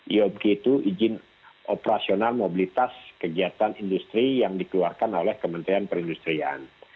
iopg itu izin operasional mobilitas kegiatan industri yang dikeluarkan oleh kementerian perindustrian